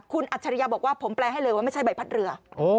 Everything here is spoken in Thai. คุณอัจฉริยะบอกว่าผมแปลให้เลยว่าไม่ใช่ใบพัดเรือ